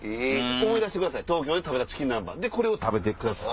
思い出して東京で食べたチキン南蛮でこれを食べてください。